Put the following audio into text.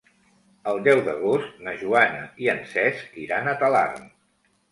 El deu d'agost na Joana i en Cesc iran a Talarn.